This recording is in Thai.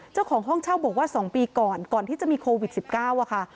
เจ้าของห้องเช่าบอกว่า๒ปีก่อนก่อนที่จะมีโควิด๑๙ค่ะ